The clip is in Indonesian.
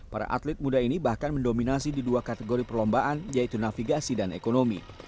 para atlet muda ini bahkan mendominasi di dua kategori perlombaan yaitu navigasi dan ekonomi